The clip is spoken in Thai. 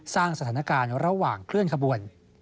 สร้างสถานการณ์ระหว่างเคลื่อนขบวน